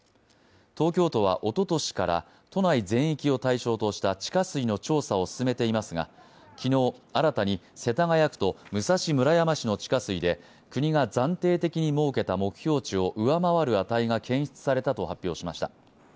東京都はおととしから都内全域を対象とした地下水の調査を進めていますが昨日新たに世田谷区と武蔵村山市の地下水で国が暫定的に設けた目標値を上回る値が検出されたと発表しました。